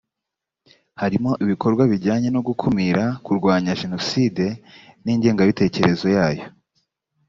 harimo ibikorwa bijyanye no gukumira kurwanya jenoside n ingengabitekerezo yayo